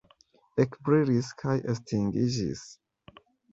Ekbrilis kaj estingiĝis.